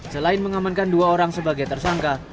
selain mengamankan dua orang sebagai tersangka